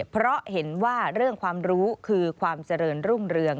เพราะเห็นว่าเรื่องความรู้คือความเจริญรุ่งเรือง